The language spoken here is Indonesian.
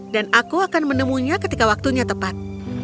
dan aku akan menemunya ketika waktunya tepat